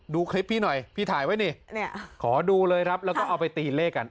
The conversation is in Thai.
ดูคลิปพี่หน่อยพี่ถ่ายไว้นี่ขอดูเลยครับแล้วก็เอาไปตีเลขกัน